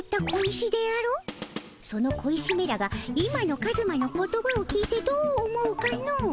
その小石めらが今のカズマの言葉を聞いてどう思うかの？